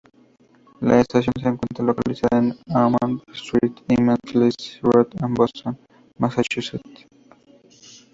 La estación se encuentra localizada en Hammond Street y Middlesex Road en Boston, Massachusetts.